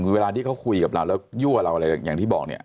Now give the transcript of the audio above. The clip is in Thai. เวลาที่เขาคุยกับเราแล้วยั่วเราอะไรอย่างที่บอกเนี่ย